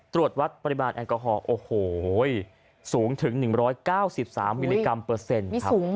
ตรวจวัดปริมาณแอลกอฮอลโอ้โหสูงถึง๑๙๓มิลลิกรัมเปอร์เซ็นต์ครับ